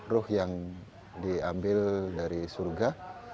ruh yang diambil dari surga